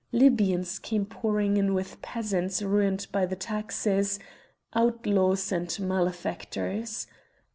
Libyans came pouring in with peasants ruined by the taxes, outlaws, and malefactors.